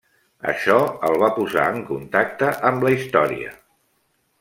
Això el va posar en contacte amb la història.